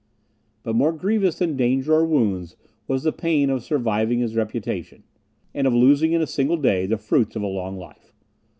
But more grievous than danger or wounds was the pain of surviving his reputation, and of losing in a single day the fruits of a long life.